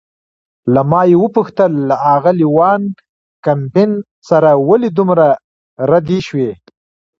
له ما یې وپوښتل: له آغلې وان کمپن سره ولې دومره رډ شوې؟